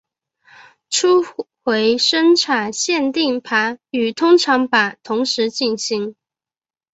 初回生产限定盘与通常版同时发行。